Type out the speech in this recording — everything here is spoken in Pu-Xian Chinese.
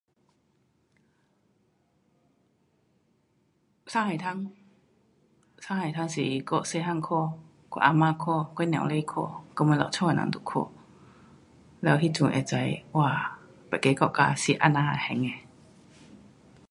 上海滩，上海滩是我小个看，我啊嫲看，我母亲看，我们的家的人都看。了那阵会晓哇别的国家是这样行的。